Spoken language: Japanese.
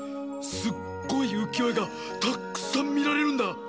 すっごいうきよえがたっくさんみられるんだ。